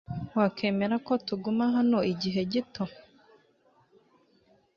Wakwemera ko tuguma hano igihe gito?